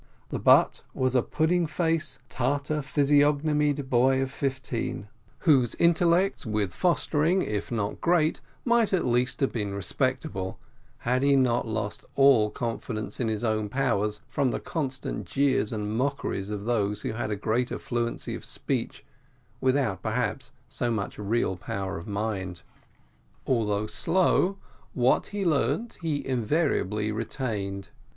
The butt was a pudding face Tartar physiognomied boy of fifteen, whose intellects, with fostering, if not great, might at least have been respectable, had he not lost all confidence in his own powers from the constant jeers and mockeries of those who had a greater fluency of speech without perhaps so much real power of mind. Although slow, what he learned he invariably retained.